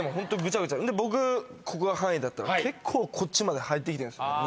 僕ここが範囲だったら結構こっちまで入ってきてんすよ荷物が。